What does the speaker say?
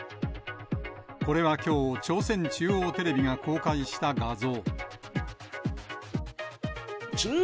これはきょう、朝鮮中央テレビが公開した画像。